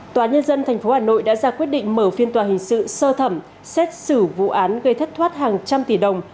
tòa nhân dân tp hà nội đã ra quyết định mở phiên tòa hình sự sơ thẩm xét xử vụ án gây thất thoát hàng trăm tỷ đồng